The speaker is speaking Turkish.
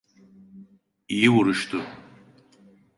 İyi vuruştu.